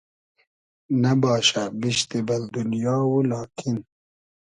نئباشۂ بیشتی بئل دونیا و لاکین